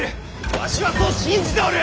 わしはそう信じておる！